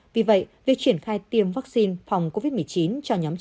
vì vậy việc triển khai tiêm vaccine phòng covid một mươi chín